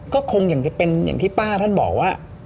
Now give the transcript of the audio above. ก็คงอยากจะเป็นอย่างที่ป้าท่านบอกว่า